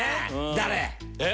誰。